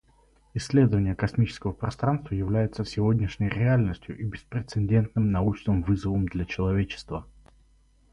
Исследование космического пространства является сегодняшней реальностью и беспрецедентным научным вызовом для человечества.